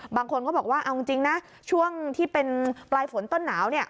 บางคนก็บอกว่าเอาจริงนะช่วงที่เป็นปลายฝนต้นหนาวเนี่ย